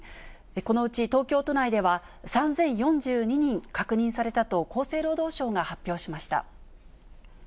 このうち東京都内では、３０４２人確認されたと、厚生労働省が発表しました。